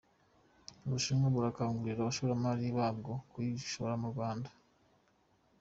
U Bushinwa burakangurira abashoramari babwo kuyishora mu Rwanda